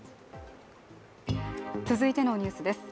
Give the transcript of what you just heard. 続いてのニュースです。